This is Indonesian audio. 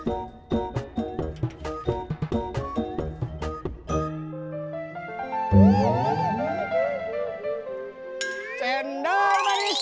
oke paginya bikin arusskudu lagi